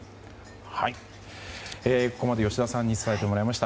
ここまで吉田さん伝えてもらいました。